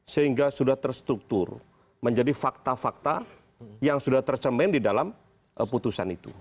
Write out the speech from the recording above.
sehingga sudah terstruktur menjadi fakta fakta yang sudah tercemen di dalam putusan itu